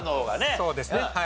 そうですねはい。